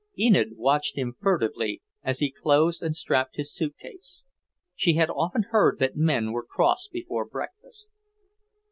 Enid watched him furtively as he closed and strapped his suitcase. She had often heard that men were cross before breakfast.